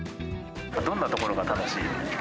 どんなところが楽しい？